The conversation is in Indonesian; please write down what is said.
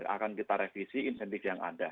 akan kita revisi insentif yang ada